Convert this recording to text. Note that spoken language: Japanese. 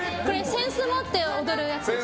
扇子持って踊るやつです。